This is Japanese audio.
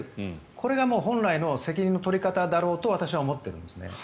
これが本来の責任の取り方だろうと私は思っているんですね。